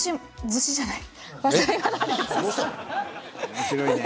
ずしじゃない。